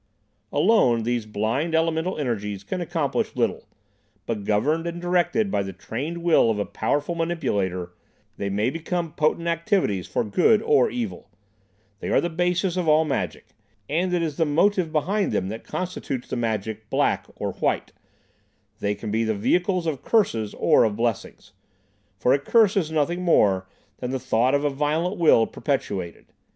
"Alone, these blind elemental energies can accomplish little, but governed and directed by the trained will of a powerful manipulator they may become potent activities for good or evil. They are the basis of all magic, and it is the motive behind them that constitutes the magic 'black' or 'white'; they can be the vehicles of curses or of blessings, for a curse is nothing more than the thought of a violent will perpetuated.